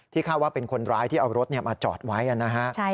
คาดว่าเป็นคนร้ายที่เอารถมาจอดไว้นะฮะ